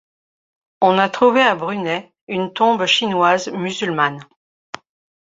On a trouvé à Brunei une tombe chinoise musulmane.